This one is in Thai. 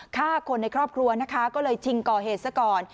ฆ่าคนในครอบครัวนะคะก็เลยชิงก่อเหตุซะก่อน